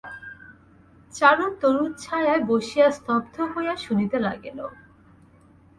চারু তরুচ্ছায়ায় বসিয়া স্তব্ধ হইয়া শুনিতে লাগিল।